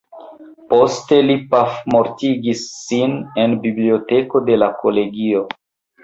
Poste li pafmortigis sin en biblioteko de la kolegio.